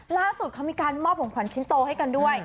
ล่าสุดเขามีการมอบของขวัญชิ้นโตให้กันด้วย